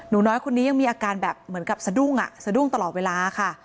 น้อยคนนี้ยังมีอาการแบบเหมือนกับสะดุ้งอ่ะสะดุ้งตลอดเวลาค่ะ